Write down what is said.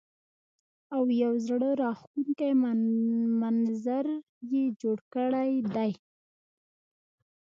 او يو زړۀ راښکونکے منظر يې جوړ کړے دے ـ